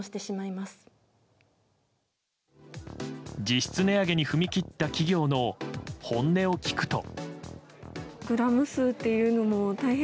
実質値上げに踏み切った企業の本音を聞くと。